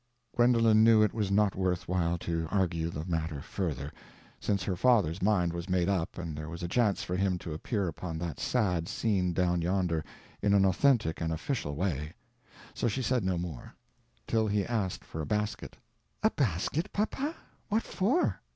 Gwendolen knew it was not worth while to argue the matter further, since her father's mind was made up and there was a chance for him to appear upon that sad scene down yonder in an authentic and official way. So she said no more—till he asked for a basket. "A basket, papa? What for?"